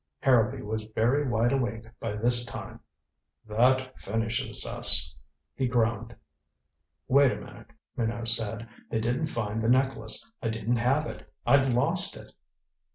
Harrowby was very wide awake by this time. "That finishes us," he groaned. "Wait a minute," Minot said. "They didn't find the necklace. I didn't have it. I'd lost it."